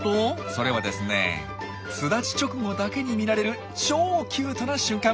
それはですね巣立ち直後だけに見られる超キュートな瞬間。